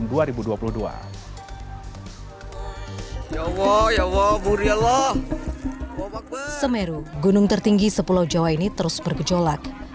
gunung semeru gunung tertinggi sepulau jawa ini terus bergejolak